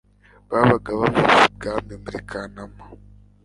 babaga bavanye ibwami muri kanama